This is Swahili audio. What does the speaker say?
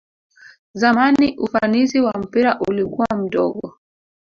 zamani ufanisi wa mpira ulikua mdogo